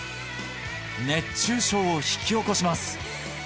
熱中症を引き起こします